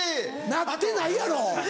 なってないやろ！